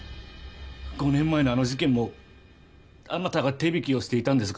５年前のあの事件もあなたが手引きをしていたんですか？